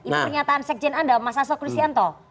ini pernyataan sekjen anda mas asok kristianto